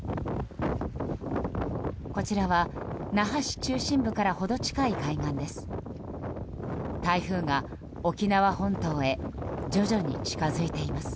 こちらは那覇市中心部から程近い海岸です。